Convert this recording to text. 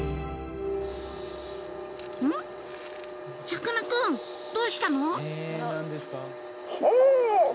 さかなクンどうしたの？